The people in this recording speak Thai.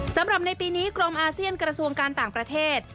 สำหรับในปีนี้กรมอาเซียนกระทรวงการต่างประเทศ